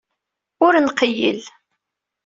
Ur nqeyyel.